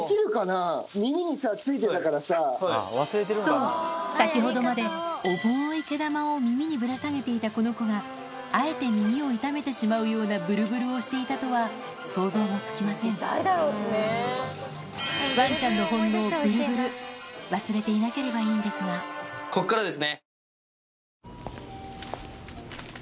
そう先ほどまで重い毛玉を耳にぶら下げていたこの子があえて耳を痛めてしまうようなブルブルをしていたとは想像もつきません忘れていなければいいんですがこっからですね！